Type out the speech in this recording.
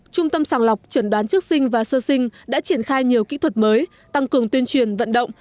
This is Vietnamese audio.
trung tâm sàng lọc trần đoán trước sinh và sơ sinh đã triển khai nhiều kỹ thuật mới tăng cường tuyên truyền vận động